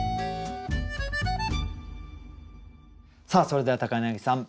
それでは柳さん